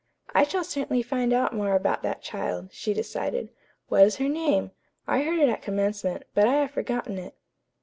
"I shall certainly find out more about that child," she decided. "What is her name? I heard it at commencement, but I have forgotten it."